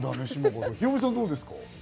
ヒロミさん、どうですか？